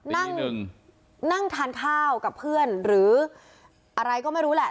นั่งทานข้าวกับเพื่อนหรืออะไรก็ไม่รู้แหละ